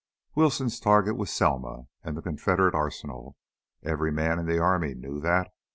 Wilson's target was Selma and the Confederate arsenal; every man in the army knew that.